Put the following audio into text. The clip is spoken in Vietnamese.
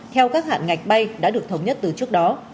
theo các hạn ngạch bay đã được thống nhất từ trước đó